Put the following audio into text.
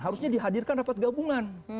harusnya dihadirkan rapat gabungan